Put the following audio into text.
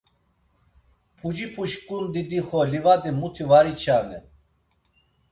Puci puşǩundi dixo livadi muti var içanen.